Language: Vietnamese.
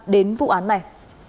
đến vụ án này